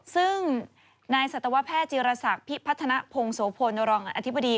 ซึ่งนายสัตวแพทย์จิรษักพิพัฒนภงโสพลรองอธิบดี